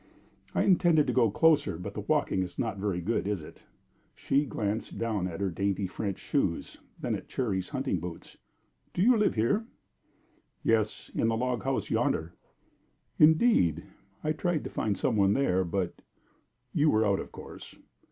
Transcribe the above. "I intended to go closer; but the walking is not very good, is it?" She glanced down at her dainty French shoes, then at Cherry's hunting boots. "Do you live here?" "Yes. In the log house yonder." "Indeed! I tried to find some one there, but you were out, of course.